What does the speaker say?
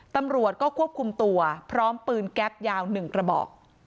ตำรวจก็ควบคุมตัวพร้อมปืนแก๊ปยาว๑กระบอก